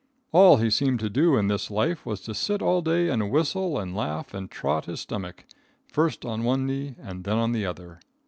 All he seemed to do in this life was to sit all day and whistle and laugh and trot his stomach, first on one knee and then on the other.